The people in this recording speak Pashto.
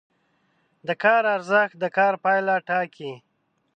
د کار ارزښت د کار پایله ټاکي.